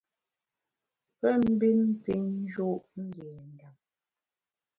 Pe mbin pin nju’ ngé ndem.